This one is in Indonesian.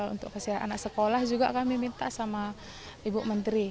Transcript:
untuk kesehatan anak sekolah juga kami minta sama ibu menteri